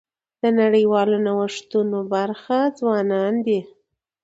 د نړیوالو نوښتونو برخه ځوانان دي.